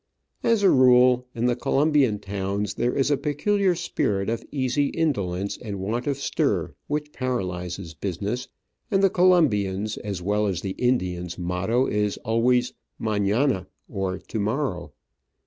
As a rule, in the Colombian towns there is a peculiar spirit of easy indolence and want of stir which paralyses business, and the Colombian's, as well as the Indian's motto is always Manana," or, To morrow.